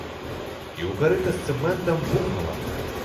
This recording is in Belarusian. І ў карыта з цэментам бухнула.